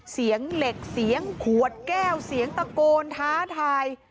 เสียงเหล็กเสียงขวดแก้วเสียงตะโกนท้าทาย